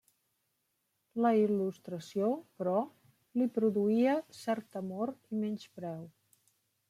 La Il·lustració, però, li produïa cert temor i menyspreu.